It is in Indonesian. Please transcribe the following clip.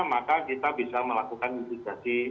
maka kita bisa melakukan mitigasi